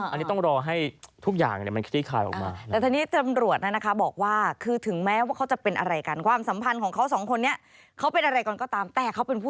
อันนี้ต้องรอให้ทุกอย่างมันคลี่คลายออกมา